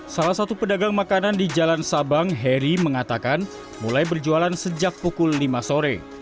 salah satu pedagang makanan di jalan sabang heri mengatakan mulai berjualan sejak pukul lima sore